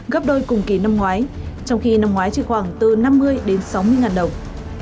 gấp đôi cùng ký năm ngoái trong khi năm ngoái chỉ khoảng từ năm mươi đến sáu mươi đồng